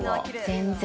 全然。